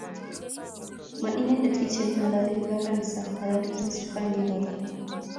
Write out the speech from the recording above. ma inendet kityo ne ngalali kifaransa ngalali kihispania kora